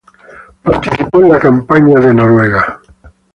Participó en la campaña de Noruega.